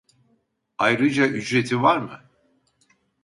Ayrıca ücreti var mı